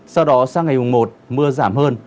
sau đó sang ngày một mưa giảm hơn